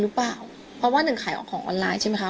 หรือเปล่าเพราะว่าหนึ่งขายของออนไลน์ใช่ไหมคะ